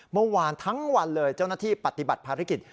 เมื่อวานทั้งวันเลยเจ้าหน้าที่ปฏิบัติภารกิจ